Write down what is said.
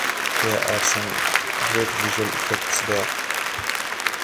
There are some great visual effects there.